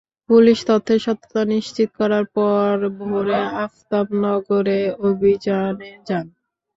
Police তথ্যের সত্যতা নিশ্চিত করার পর ভোরে আফতাব নগরে অভিযানে যান।